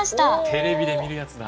テレビで見るやつだ！